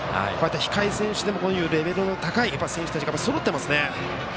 控え選手でもレベルの高い選手たちがそろってますね。